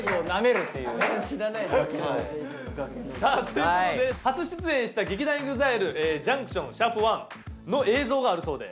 さぁということで初出演した劇団ＥＸＩＬＥＪＵＮＣＴＩＯＮ＃１の映像があるそうで。